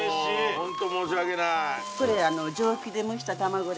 ホント申し訳ない。